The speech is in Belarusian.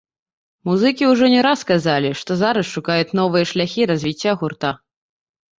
Музыкі ўжо не раз казалі, што зараз шукаюць новыя шляхі развіцця гурта.